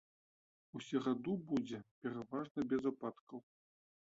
У сераду будзе пераважна без ападкаў.